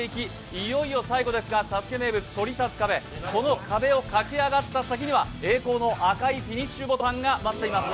いよいよ最後ですが、「ＳＡＳＵＫＥ」名物そり立つ壁、この壁を駆け上がった先には栄光の赤いフィニッシュボタンが待っています